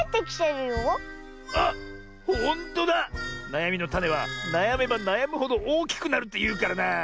なやみのタネはなやめばなやむほどおおきくなるっていうからなあ。